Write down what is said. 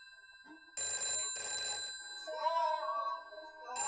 Benzodiazepini hasa flunitrazepamu triazolami temazepamu na nimetazepamu